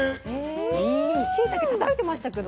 しいたけたたいてましたけど。